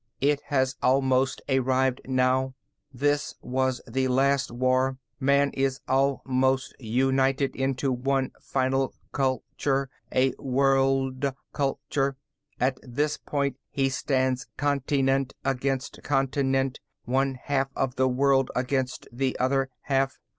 It has almost arrived now. This is the last war. Man is almost united into one final culture a world culture. At this point he stands continent against continent, one half of the world against the other half.